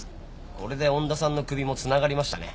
これで恩田さんの首も繋がりましたね。